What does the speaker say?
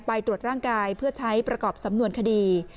ไปตรวจร่างกายเพื่อใช้ประกอบสำนวนคดี